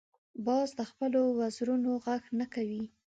باز د خپلو وزرونو غږ نه کوي